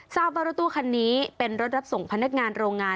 ทราบว่ารถตู้คันนี้เป็นรถรับส่งพนักงานโรงงาน